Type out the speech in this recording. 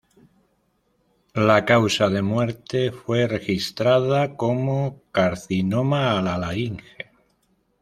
La causa de muerte fue registrada como "carcinoma a la laringe".